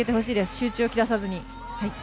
集中を切らさずに。